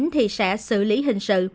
thì sẽ xử lý hình sự